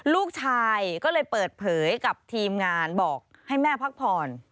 ลูกชายก็เลยเปิดเผยกับทีมงานบอกให้แม่พักผ่อน